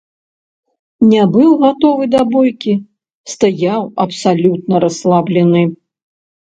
Не быў гатовы да бойкі, стаяў абсалютна расслаблены.